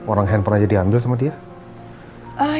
kamu sama handphone aku pasti bikin masalah lagi di luar sana ya kan